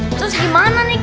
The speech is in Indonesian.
terus gimana nih kak